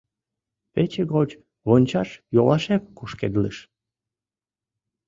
Пече гоч вончаш йолашем кушкедлыш.